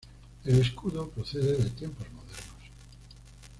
El escudo procede de tiempos modernos.